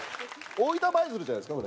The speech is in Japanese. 大分舞鶴じゃないですか？